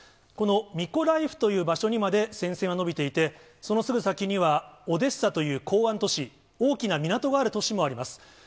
このミコライフという場所にまで戦線は延びていて、そのすぐ先にはオデッサという港湾都市、大きな港がある都市もあります。